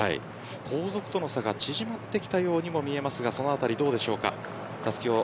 後続との差が縮まってきたようにも見えますがそのあたりどうでしょうか。